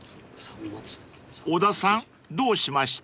［小田さんどうしました？］